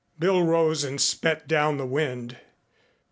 Bill rose and spat down the wind.